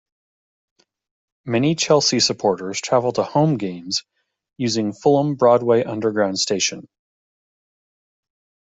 Many Chelsea supporters travel to home games using Fulham Broadway Underground Station.